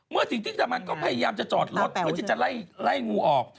เมื่อที่ทำงานก็พยายามจะจอดรถเพื่อจะไล่งูออก